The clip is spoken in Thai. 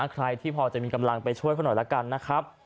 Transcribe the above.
ใครที่พอจะมีกำลังไปช่วยเขาหน่อยละกันนะครับ